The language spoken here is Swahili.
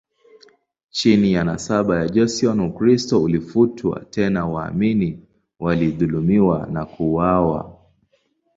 Chini ya nasaba ya Joseon, Ukristo ulifutwa, tena waamini walidhulumiwa na kuuawa.